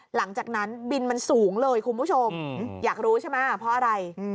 หลังจากนั้นบินมันสูงเลยคุณผู้ชมอยากรู้ใช่ไหมเพราะอะไร